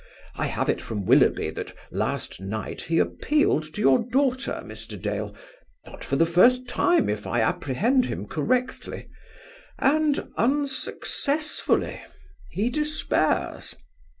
I have it from Willoughby that last night he appealed to your daughter, Mr. Dale not for the first time, if I apprehend him correctly; and unsuccessfully. He despairs.